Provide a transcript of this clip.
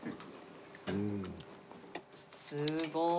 すごい！